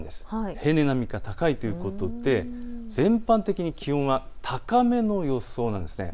平年並みか高いということで全般的に気温が高めの予想なんです。